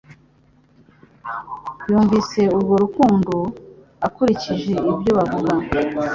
yumvise urwo rukundo ukurikije ibyo bavuga